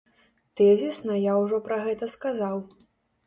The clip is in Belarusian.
Тэзісна я ўжо пра гэта сказаў.